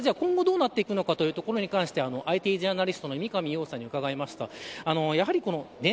ただ今後どうなっていくのかというところに関してはＩＴジャーナリストの三上洋さんに伺いました。